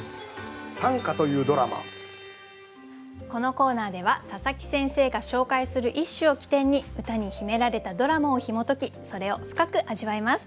このコーナーでは佐佐木先生が紹介する一首を起点に歌に秘められたドラマをひも解きそれを深く味わいます。